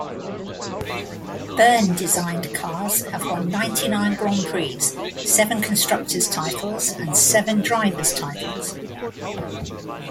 Byrne-designed cars have won ninety-nine Grands Prix, seven constructors' titles and seven drivers' titles.